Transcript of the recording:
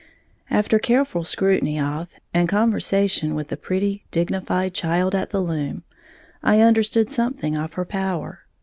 After careful scrutiny of, and conversation with the pretty, dignified child at the loom, I understood something of her power.